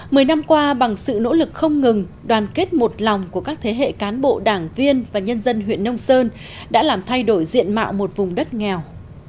mười năm qua bằng sự nỗ lực không ngừng đoàn kết một lòng của các thế hệ cán bộ đảng viên và nhân dân huyện nông sơn đã làm thay đổi diện mạo một vùng đất nghèo